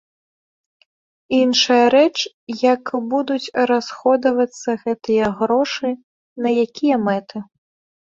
Іншая рэч, як будуць расходавацца гэтыя грошы, на якія мэты.